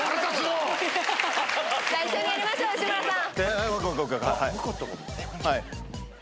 ⁉一緒にやりましょう吉村さん！